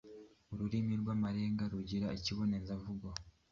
Ururimi rw’Amarenga rugira ikibonezamvugo